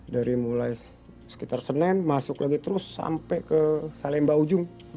dari mulai sekitar senen masuk lagi terus sampai ke salemba ujung